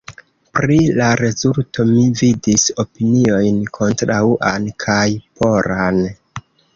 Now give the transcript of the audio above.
Pri la rezulto mi vidis opiniojn kontraŭan kaj poran.